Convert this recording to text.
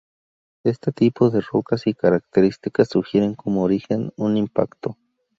Este tipo de rocas y características sugieren como origen un impacto.